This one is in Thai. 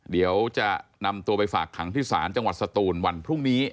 เดี๋ยวจะนำตัวไปฝากขังที่ศาลจังหวัดสตูนวันพรุ่งนี้